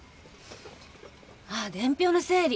あぁ伝票の整理